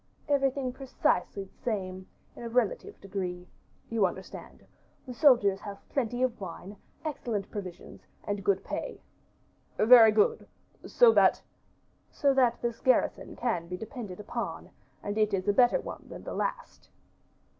"Everything precisely the same, in a relative degree, you understand; the soldiers have plenty of wine, excellent provisions, and good pay." "Very good; so that " "So that this garrison can be depended upon, and it is a better one than the last."